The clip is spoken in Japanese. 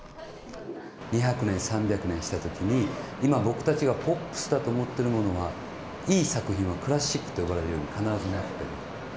２００年、３００年したときに、今、僕たちがポップスだと思っているものが、いい作品はクラシックと呼ばれるように必ずなってる。